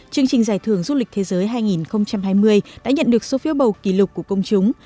chương trình giải thưởng du lịch thế giới hai nghìn hai mươi đã nhận được số phiếu bầu kỷ lục của công chúng